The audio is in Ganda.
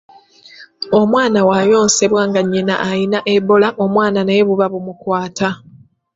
Omwana bw'ayonsebwa nga nnyina ayina Ebola, omwana naye buba bumukwata